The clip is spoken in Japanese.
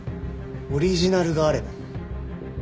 オリジナルがあれば。